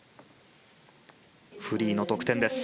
フリーの得点です。